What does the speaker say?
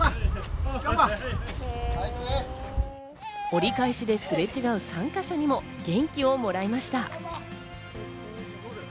折り返しですれ違う参加者にも元気をもらいました。